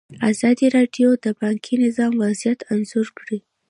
ازادي راډیو د بانکي نظام وضعیت انځور کړی.